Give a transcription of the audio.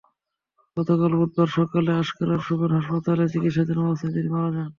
গতকাল বুধবার সকালে আঙ্কারার গুভেন হাসপাতালে চিকিৎসাধীন অবস্থায় তিনি মারা যান।